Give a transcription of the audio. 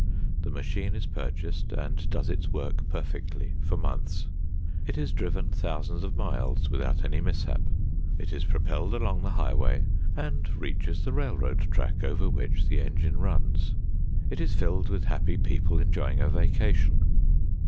The machine is purchased and does its work perfectly for months. It is driven thousands of miles without any mishap. It is propelled along the highway and reaches the railroad track over which the engine runs. It is filled with happy people enjoying a vacation.